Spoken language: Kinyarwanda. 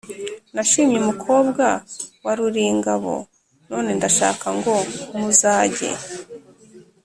nashimye umukobwa wa ruringabo none ndashaka ngo muzage